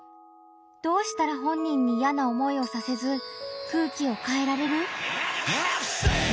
どうしたら本人にいやな思いをさせず空気を変えられる？